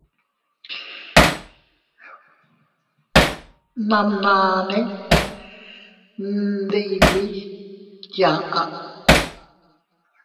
Bnamnane ndibii yaʼa.